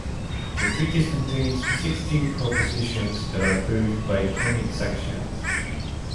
The treatise contains sixteen propositions that are proved by conic sections.